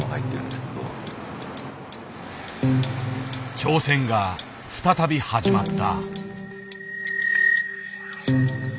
挑戦が再び始まった。